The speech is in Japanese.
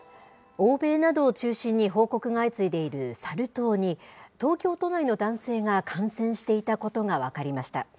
欧米などを中心に報告が相次いでいるサル痘に、東京都内の男性が感染していたことが分かりました。